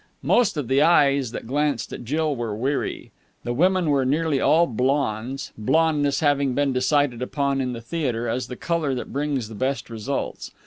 Most of the eyes that glanced at Jill were weary. The women were nearly all blondes, blondness having been decided upon in the theatre as the colour that brings the best results.